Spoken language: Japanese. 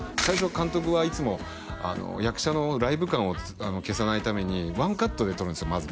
最初は監督はいつも役者のライブ感を消さないためにワンカットで撮るんですよ